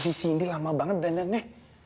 nah si indy lama banget dhanane